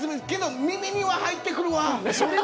けど、耳には入ってくるわ！